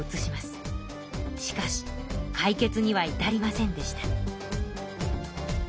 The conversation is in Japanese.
しかし解決にはいたりませんでした。